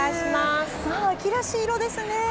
秋らしい色ですね。